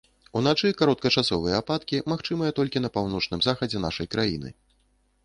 Уначы кароткачасовыя ападкі магчымыя толькі на паўночным захадзе нашай краіны.